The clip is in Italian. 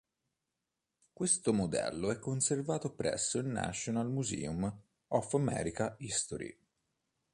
Questo modello è conservato presso National Museum of American History.